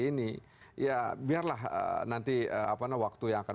ini ya biarlah nanti waktu yang akan